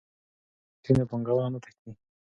که امنیت وي نو پانګونه نه تښتي.